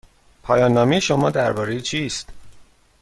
پایان نامه شما درباره چیست؟